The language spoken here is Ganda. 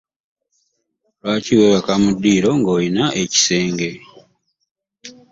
Lwaki weebaka mu ddiiro nga olina ekisenge.